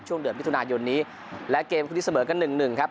ช่วงเดือนพิธุนายนนี้และเกมคุณฤทธิ์เสมอก็๑๑ครับ